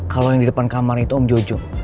kalau yang di depan kamar itu om jojo